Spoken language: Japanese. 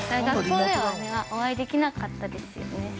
学校では、お会いできなかったですよね。